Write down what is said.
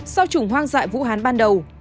sau chủng hoang dại vũ hán ban đầu